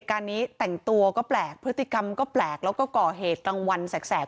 การนี้แต่งตัวก็แปลกพฤติกรรมก็แปลกแล้วก็ก่อเหตุกลางวันแสก